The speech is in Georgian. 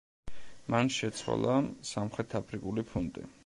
მან შეცვალა სამხრეთ აფრიკული ფუნტი.